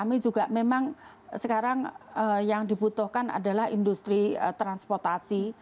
iya memang sekarang yang dibutuhkan adalah industri transportasi